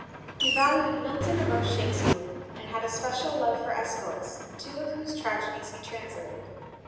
He valued Milton above Shakespeare, and had a special love for Æschylus, two of whose tragedies he translated.